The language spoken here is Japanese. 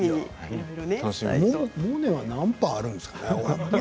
モネは何％あるんですか？